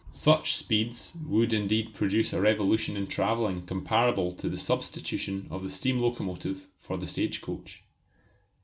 Such speeds would indeed produce a revolution in travelling comparable to the substitution of the steam locomotive for the stage coach.